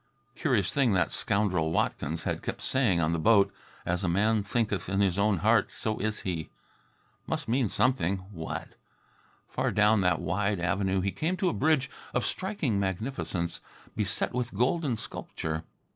Curious thing that scoundrel Watkins had kept saying on the boat. "As a man thinketh in his own heart, so is he." Must mean something. What? Far down that wide avenue he came to a bridge of striking magnificence, beset with golden sculpture.